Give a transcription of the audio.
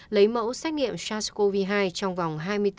lấy mẫu xét nghiệm sars cov hai trong vòng hai mươi bốn giờ